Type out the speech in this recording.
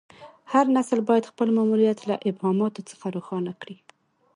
هر نسل باید خپل ماموریت له ابهاماتو څخه روښانه کړي.